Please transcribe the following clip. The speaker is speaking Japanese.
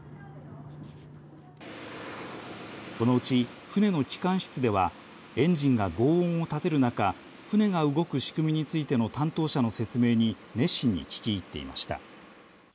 このうち、船の機関室ではエンジンがごう音を立てる中船が動く仕組みについての担当者の説明に熱心に聞き入っていました。